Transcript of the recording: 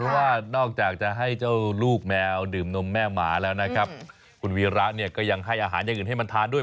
เพราะว่านอกจากจะให้เจ้าลูกแมวดื่มนมแม่หมาแล้วนะครับคุณวีระเนี่ยก็ยังให้อาหารอย่างอื่นให้มันทานด้วย